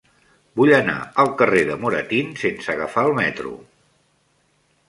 Vull anar al carrer de Moratín sense agafar el metro.